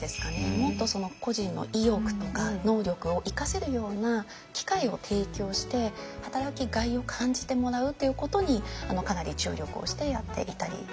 もっとその個人の意欲とか能力を生かせるような機会を提供して働きがいを感じてもらうということにかなり注力をしてやっていたりしますね。